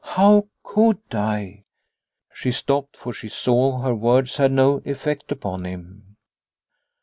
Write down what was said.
How could I ..." She stopped, for she saw her words had no effect upon him.